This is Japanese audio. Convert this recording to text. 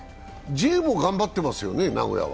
Ｊも頑張っていますよね、名古屋は。